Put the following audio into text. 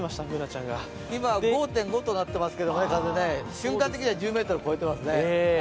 今、風は５．５となっていますけれども、瞬間的には１０ｍ超えてますね。